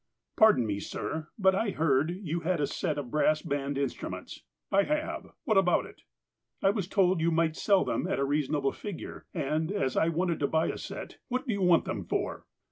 ''Pardon me, sir, but I heard you had a set of brass band instruments." '' I have. What about it ?"" I was told you might sell them at a reasonable figure, and as I want to buy a set "' "What do you want them for?